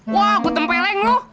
wah aku tempeleng lu